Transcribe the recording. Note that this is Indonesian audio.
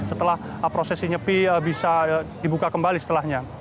setelah prosesi nyepi bisa dibuka kembali setelahnya